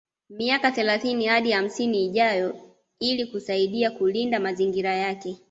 Miaka thelathini hadi hamsini ijayo ili kusaidia kulinda mazingira yake